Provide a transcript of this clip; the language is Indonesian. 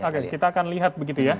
oke kita akan lihat begitu ya